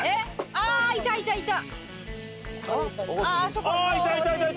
ああいたいたいたいた！